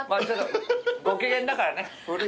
ご機嫌だからね。